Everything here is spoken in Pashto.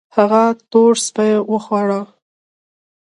هغه تور سپي وخواړه